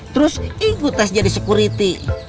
terus ikut tes jadi security